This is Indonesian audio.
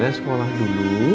jadi rena sekolah dulu